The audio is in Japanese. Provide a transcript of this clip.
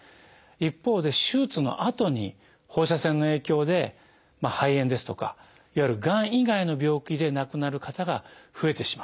一方で手術のあとに放射線の影響で肺炎ですとかいわゆるがん以外の病気で亡くなる方が増えてしまったと。